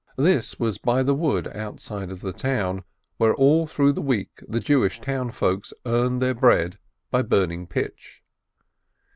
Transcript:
This was by the wood outside the town, where all through the week the Jewish townsfolk earned their bread by burning pitch.